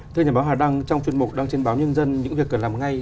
trong chuyên mục đăng trên báo nhân dân những việc cần làm ngay